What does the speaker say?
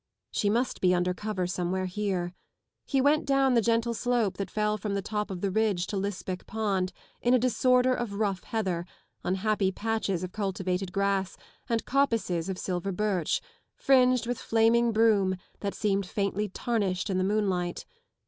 She must be under cover somewhere here. He west down the gentle slope that fell from the top of the ridge to Lisbech pond in a disorder of rough heather, unhappy patches of cultivated grass, and coppices of silver birch, fringed with flaming broom that seemed faintly tarnished in the moonlight.